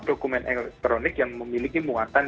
dokumen elektronik yang memiliki muatan